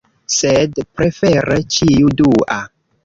Sed prefere ĉiu dua.